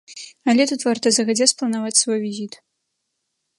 Але тут варта загадзя спланаваць свой візіт.